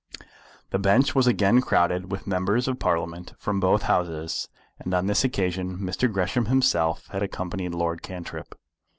The bench was again crowded with Members of Parliament from both Houses, and on this occasion Mr. Gresham himself had accompanied Lord Cantrip.